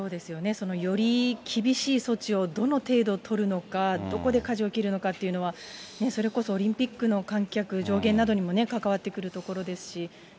そのより、厳しい措置をどの程度取るのか、どこでかじを切るのかっていうのは、それこそオリンピックの観客上限などにも関わってくるところです